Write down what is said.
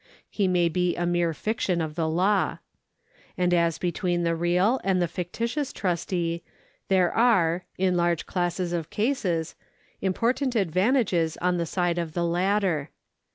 He may be a mere fiction of the law. And as between the real and the fictitious trustee there are, in large classes of cases, im portant advantages on the side of the latter.